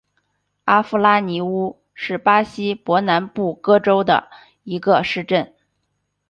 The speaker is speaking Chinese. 阿夫拉尼乌是巴西伯南布哥州的一个市镇。